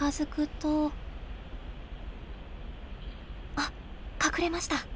あっ隠れました。